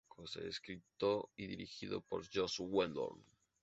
Escrito y dirigido por Joss Whedon.